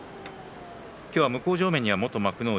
今日は向正面に元幕内